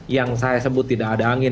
yang saya sebut tidak ada angin